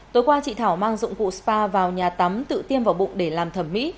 tối qua chị thảo mang dụng cụ spa vào nhà tắm tự tiêm vào bụng để làm thẩm mỹ